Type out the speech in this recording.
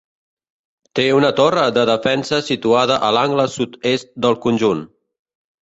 Té una torre de defensa situada a l'angle sud-est del conjunt.